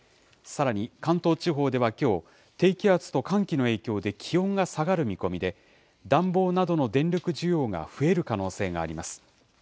さらに関東地方ではきょう、低気圧と寒気の影響で、気温が下がる見込みで、暖房などの電力需要が増える可能性があります。